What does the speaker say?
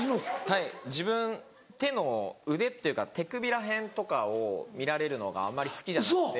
はい自分手の腕っていうか手首ら辺とかを見られるのがあんまり好きじゃなくて。